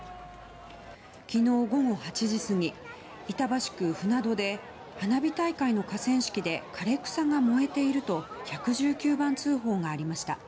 昨日午後８時過ぎ板橋区舟渡で花火大会の河川敷で枯れ草が燃えていると１１９番通報がありました。